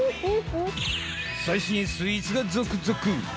最新スイーツが続々。